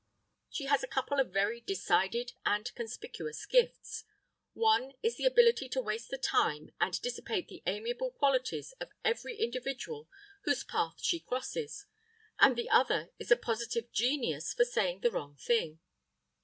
She has a couple of very decided and conspicuous gifts—one is the ability to waste the time and dissipate the amiable qualities of every individual whose path she crosses; and the other is a positive genius for saying the wrong thing.